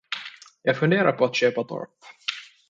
Jag funderar på att köpa torp.